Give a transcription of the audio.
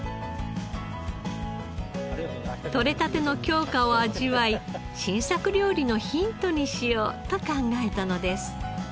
とれたての京香を味わい新作料理のヒントにしようと考えたのです。